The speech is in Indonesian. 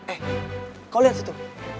eh kau lihat situ